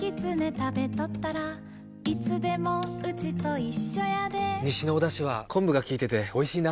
食べとったらいつでもウチと一緒やで西のおだしは昆布が効いてておいしいな。